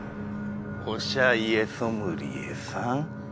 おしゃ家ソムリエさん。